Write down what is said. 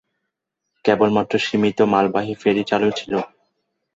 কেবলমাত্র সীমিত মালবাহী ফেরী চালু ছিলো।